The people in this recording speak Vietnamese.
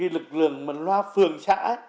lực lượng mà loa phường xã